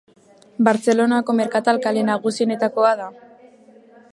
Bartzelonako merkatal kale nagusienetakoa da.